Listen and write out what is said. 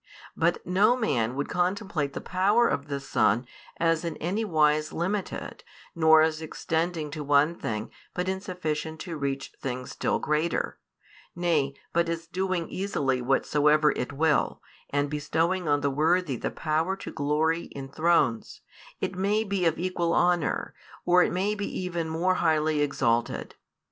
But no man would contemplate the power of the Son as in any wise limited, nor as extending to one thing but insufficient to reach things still greater; nay, but as doing easily whatsoever it will, and bestowing on the worthy the power to glory in thrones, it may be of equal honour, or it may be even more highly exalted.